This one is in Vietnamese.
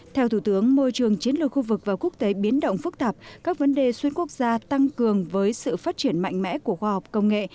theo thủ tướng môi trường chiến lược khu vực và quốc tế biến động phức tạp các vấn đề xuyên quốc gia tăng cường với sự phát triển mạnh mẽ của khoa học công nghệ